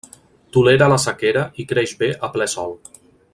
Tolera la sequera i creix bé a ple Sol.